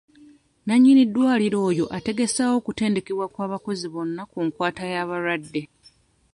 Nannyini ddwaliro oyo ategeseewo okutendekebwa kw'abakozi bonna ku nkwata y'abalwadde.